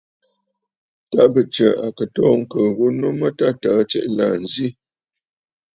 Ta bɨ Tsə̀ à kɨ toò ŋ̀kɨ̀ɨ̀ ghu nu mə tâ təə tsiʼì la nzì.